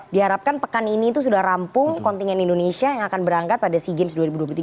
diharapkan pekan ini itu sudah rampung kontingen indonesia yang akan berangkat pada sea games dua ribu dua puluh tiga